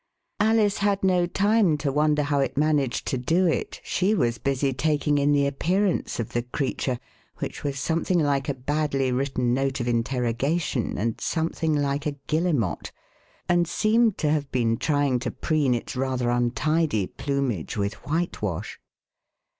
Alice had no time to wonder how it managed to do it, she was busy taking in the appearance of the creature, which was something like a badly written note of interrogation and something like a guillemot, and seemed to have been trying to preen its rather untidy plumage with whitewash.